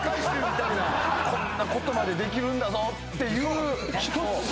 こんなことまでできるんだぞっていう。